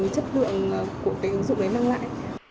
chất lượng của cái ứng dụng đấy nâng lại